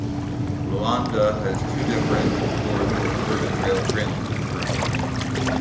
Luanda has two different forms of urban rail transit currently.